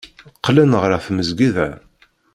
Qqlen ɣer tmesgida.